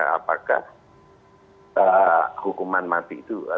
apakah hukuman mati itu